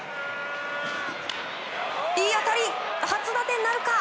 いい当たり、初打点なるか？